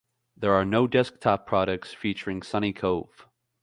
There are no desktop products featuring Sunny Cove.